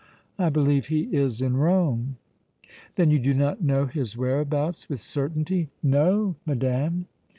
I believe he is in Rome." "Then you do not know his whereabouts with certainty?" "No, madame."